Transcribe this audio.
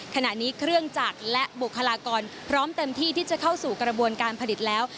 ขณะนี้เครื่องจักรและบุคลากรพร้อมเต็มที่ที่จะเข้าสู่กระบวนการผลิตแล้ว